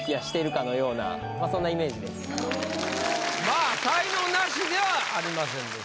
まぁ才能ナシではありませんでした。